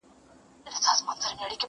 ټول عالم ليدل چي لوڅ سلطان روان دئ٫